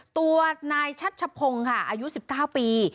ตัวนายชัชพงศ์ค่ะอายุ๑๙ปี